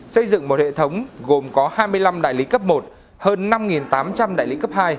xây dựng một hệ thống gồm có hai mươi năm đại lý cấp một hơn năm tám trăm linh đại lý cấp hai